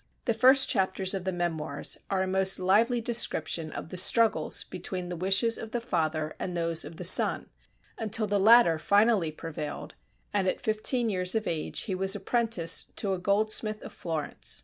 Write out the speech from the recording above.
The first chapters of the 'Memoirs' are a most lively description of the struggles between the wishes of the father and those of the son, until the latter finally prevailed, and at fifteen years of age he was apprenticed to a goldsmith of Florence.